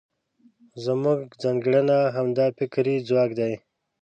زموږ ځانګړنه همدا فکري ځواک دی.